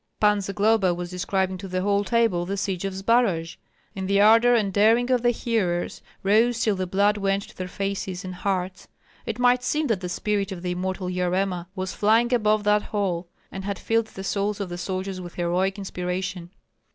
Pan Zagloba was describing to the whole table the siege of Zbaraj; and the ardor and daring of the hearers rose till the blood went to their faces and hearts. It might seem that the spirit of the immortal "Yarema" was flying above that hall, and had filled the souls of the soldiers with heroic inspiration.